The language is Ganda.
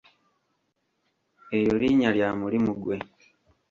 Eryo linnya lya mulimu gwe.